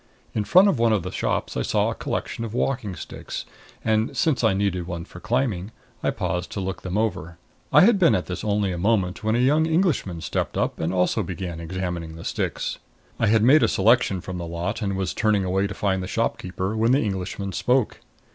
In front of one of the shops I saw a collection of walking sticks and, since I needed one for climbing, I paused to look them over. I had been at this only a moment when a young Englishman stepped up and also began examining the sticks. I had made a selection from the lot and was turning away to find the shopkeeper, when the Englishman spoke.